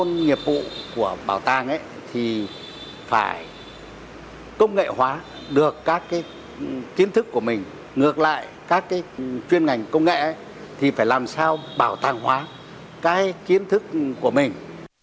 những nhiệm vụ của bảo tàng thì phải công nghệ hóa được các kiến thức của mình ngược lại các chuyên ngành công nghệ thì phải làm sao bảo tàng hóa các kiến thức của mình